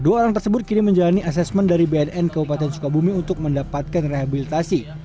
dua orang tersebut kini menjalani asesmen dari bnn kabupaten sukabumi untuk mendapatkan rehabilitasi